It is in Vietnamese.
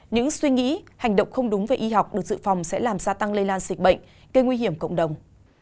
những suy nghĩ hành động không đúng về y học được dự phòng sẽ làm gia tăng lây lan dịch bệnh gây nguy hiểm cộng đồng